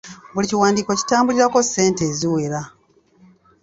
Buli kiwandiiko kitambulirako ssente eziwera.